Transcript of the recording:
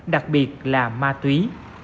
đặc biệt là ma túy